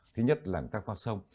thứ nhất là người ta vào sông